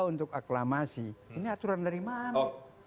untuk aklamasi ini aturan dari mana